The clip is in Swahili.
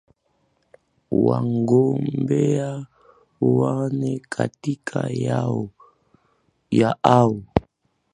wagombea wanne kati ya hao